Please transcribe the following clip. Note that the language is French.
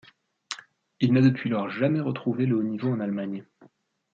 Il n'a depuis lors jamais retrouvé le haut niveau en Allemagne.